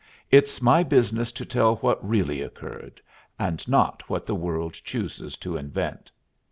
it's my business to tell what really occurred, and not what the world chooses to invent.